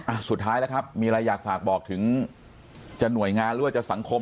สุดท้ายแล้วครับมีอะไรอยากฝากบอกถึงจะหน่วยงานหรือว่าจะสังคม